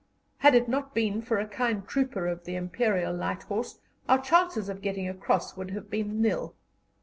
Had it not been for a kind trooper of the Imperial Light Horse, our chances of getting across would have been nil.